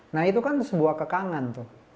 nah itu kan sebuah kekangan tuh